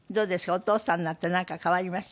お父さんになってなんか変わりました？